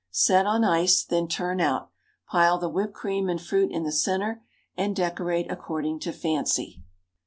Set on ice; then turn out. Pile the whipped cream and fruit in the centre, and decorate according to fancy.